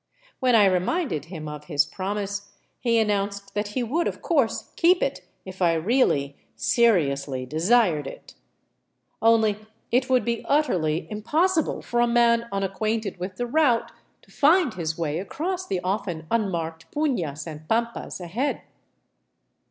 When I reminded him of his promise, he announced that he would, of course, keep it, if I really, seriously desired it. Only, it would be utterly im possible for a man unacquainted with the route to find his way across the often unmarked punas and pampas ahead.